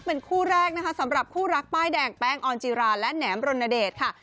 เป็นคู่แรกนะคะสำหรับคู่รักป้ายแดงแป้งออนจิราและแหนมรณเดชค่ะ